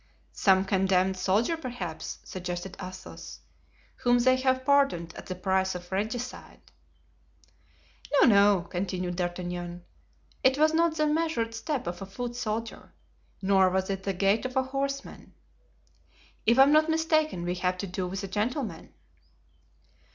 "Some condemned soldier, perhaps," suggested Athos, "whom they have pardoned at the price of regicide." "No, no," continued D'Artagnan, "it was not the measured step of a foot soldier, nor was it the gait of a horseman. If I am not mistaken we have to do with a gentleman."